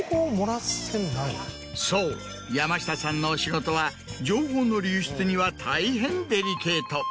そう山下さんのお仕事は情報の流出には大変デリケート。